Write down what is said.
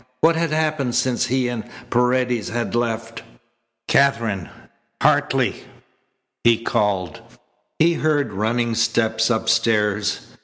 What had happened since he and Paredes had left? "Katherine! Hartley!" he called. He heard running steps upstairs.